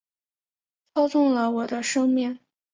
操纵了我的生命